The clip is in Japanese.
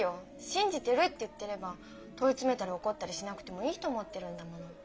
「信じてる」って言ってれば問い詰めたり怒ったりしなくてもいいと思ってるんだもの。